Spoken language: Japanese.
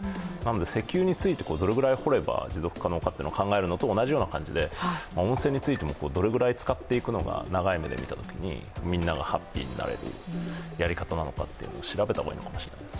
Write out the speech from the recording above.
石油についてどれぐらい掘れば持続可能かと考えるのと同じような感じで温泉についても、どのくらい使っていくのか、長い目で見たときにみんながハッピーになれるやり方なのかというのを調べた方がいいかもしれないですね。